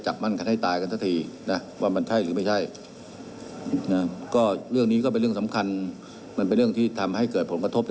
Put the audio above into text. เจอนะครับ